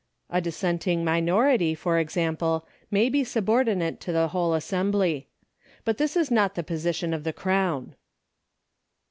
A dissenting minority, for example, may be subordinate to the whole assembly. But this is not the position of the Crown.